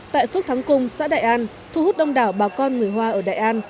tại phước thắng cung xã đại an thu hút đông đảo bà con người hoa ở đại an